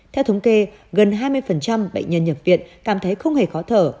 theo thống kê gần hai mươi bệnh nhân nhập viện cảm thấy không hề khó thở